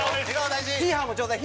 ヒーハーもちょうだい。